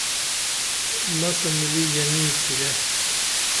مسہ ملی ژنی کُرے